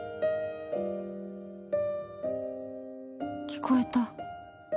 聞こえた。